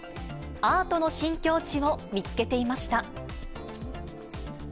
アートの新境地を見つけていました。